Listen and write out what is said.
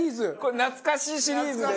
懐かしいシリーズです。